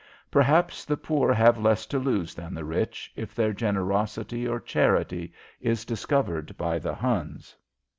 Perhaps the poor have less to lose than the rich if their generosity or charity is discovered by the Huns.